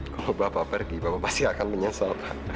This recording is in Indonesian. kalau bapak pergi bapak pasti akan menyesal